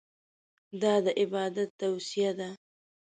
دا د عبادت توصیه ده.